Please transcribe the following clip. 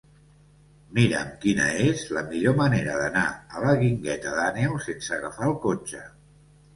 Mira'm quina és la millor manera d'anar a la Guingueta d'Àneu sense agafar el cotxe.